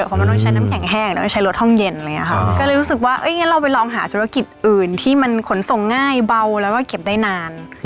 เพราะมันต้องใช้น้ำแข็งแห้งแล้วก็ใช้รถห้องเย็นอะไรอย่างนี้ค่ะก็เลยรู้สึกว่างั้นเราไปลองหาธุรกิจอื่นที่มันขนส่งง่ายเบาแล้วก็เก็บได้นาน